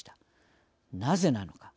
なぜなのか。